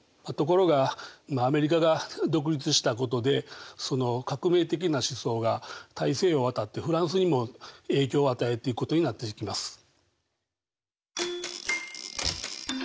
ところがアメリカが独立したことでその革命的な思想が大西洋を渡ってフランスにも影響を与えていくことになっていきます。